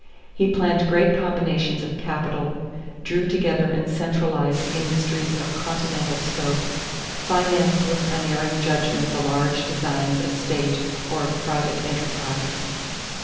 He planned great combinations of capital, drew together and centralized industries of continental scope, financed with unerring judgment the large designs of state or of private enterprise.